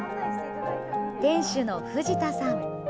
天守の藤田さん。